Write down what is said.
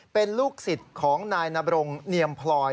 เป็นลูกศิษย์ของนายนบรงเนียมพลอย